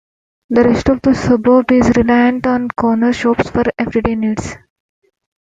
The rest of the suburb is reliant on corner shops for everyday needs.